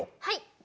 はい。